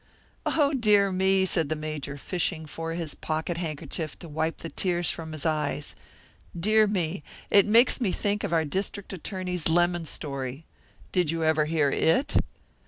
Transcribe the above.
"Oh, dear me!" said the Major, fishing for his pocket handkerchief to wipe the tears from his eyes. "Dear me! It makes me think of our district attorney's lemon story. Did you ever hear it?"